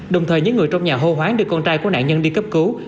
đồng thời những người trong nhà hô hoáng đưa con trai của nạn nhân đi cấp cứu